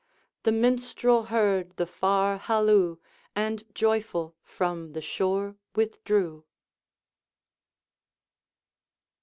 The Minstrel heard the far halloo, And joyful from the shore withdrew.